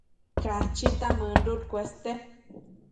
Cachita mënduc cueste